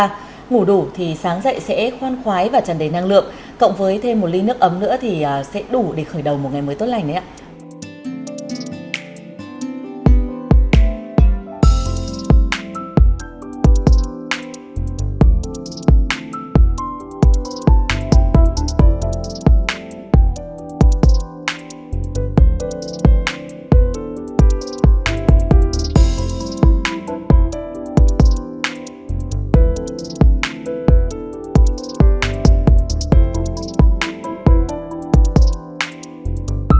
và ngủ đủ thì sáng dậy sẽ khoan khoái và trần đầy năng lượng cộng với thêm một ly nước ấm nữa thì sẽ đủ để khởi đầu một ngày mới tốt lành đấy ạ